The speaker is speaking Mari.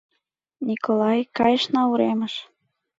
— Николай, кайышна уремыш.